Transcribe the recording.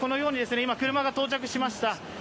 車が到着しました。